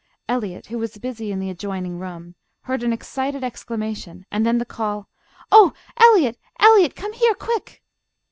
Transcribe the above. Eliot, who was busy in the adjoining room, heard an excited exclamation, and then the call, "Oh, Eliot, Eliot! Come here, quick!"